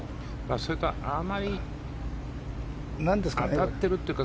それとあまり当たってるっていうか